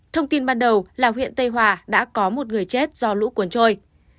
thông tin ban đầu là huyện tây hòa đã có một người chết do lũ cuốn trôi